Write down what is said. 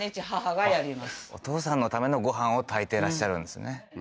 お父さんのためのご飯を炊いてらっしゃるんですね